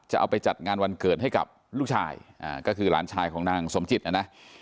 เอาไปจัดงานวันเกิดให้กับลูกชายก็คือหลานชายของนางสมจิตนะนะ